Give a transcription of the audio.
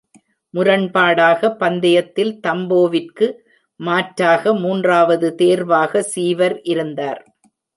முரண்பாடாக, பந்தயத்தில் தம்பேவிற்கு மாற்றாக மூன்றாவது தேர்வாக சீவர் இருந்தார்.